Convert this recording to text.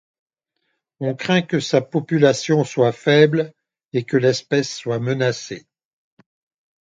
On craint que sa population soit faible et que l'espèce soit menacée.